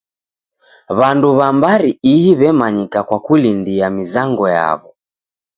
W'andu w'a mbari ihi w'emanyika kwa kulindia mizango yaw'o.